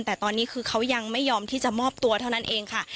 แต่ตอนนี้คือเขายังไม่ยอมที่จะมอบตัวเท่านั้นเองค่ะ